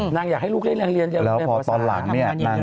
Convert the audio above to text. นางอยากให้ลูกได้เรียนแล้วพอตอนหลังเนี่ย